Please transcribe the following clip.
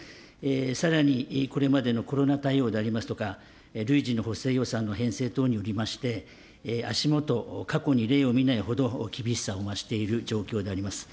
さらにこれまでのコロナ対応でありますとか、類似の補正予算の編成等におきまして、足下、過去に例を見ないほど厳しさを増している状況であります。